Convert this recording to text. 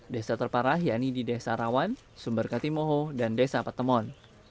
desa terparah yaitu di desa rawan sumberkati moho dan desa patemon